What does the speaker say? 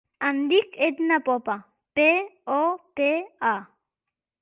Em dic Etna Popa: pe, o, pe, a.